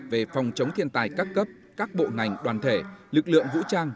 về phòng chống thiên tai các cấp các bộ ngành đoàn thể lực lượng vũ trang